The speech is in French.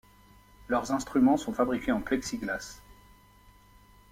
Leurs instruments sont fabriqués en plexiglas.